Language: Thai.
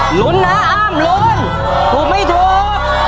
ลุ้นนะอ้ามลุ้นถูกไม่ถูก